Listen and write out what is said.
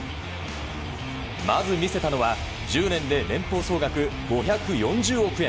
まず見せたのは１０年で年俸総額５４０億円